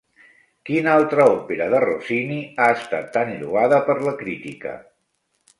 Quina altra òpera de Rossini ha estat tan lloada per la crítica?